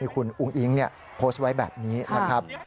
คุณอุ้งอิ๊งโพสต์ไว้แบบนี้นะครับ